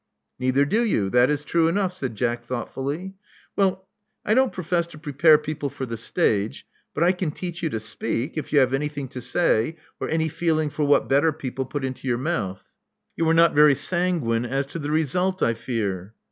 Neither do you. That is true enough," said Jack thoughtfully. Well, I don't profess to prepare people for the stage ; but I can teach you to speak, if you have anything to say or any feeling for what better people put into your mouth." You are not very sanguine as to the result, I fear."